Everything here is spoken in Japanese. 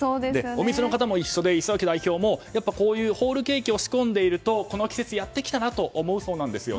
お店の方も一緒で、磯崎代表もホールケーキを仕込んでいるとこの季節がやってきたなと思うそうなんです。